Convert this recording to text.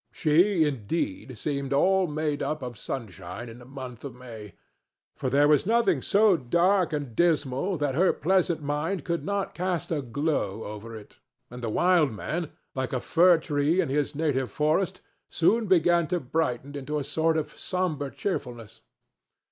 She, indeed, seemed all made up of sunshine in the month of May, for there was nothing so dark and dismal that her pleasant mind could not cast a glow over it; and the wild man, like a fir tree in his native forest, soon began to brighten into a sort of sombre cheerfulness.